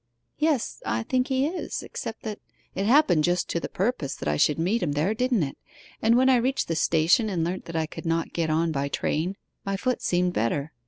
'Yes. I think he is, except that ' 'It happened just to the purpose that I should meet him there, didn't it? And when I reached the station and learnt that I could not get on by train my foot seemed better.